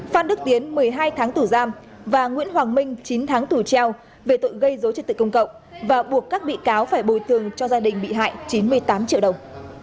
phan đức tiến một mươi hai tháng tù giam và nguyễn hoàng minh chín tháng tù treo về tội gây dối trật tự công cộng và buộc các bị cáo phải bồi tường cho gia đình bị hại chín mươi tám triệu đồng